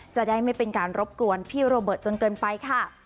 จะได้ไม่เป็นการรบกวนพี่โรเบิร์ตจนเกินไปค่ะ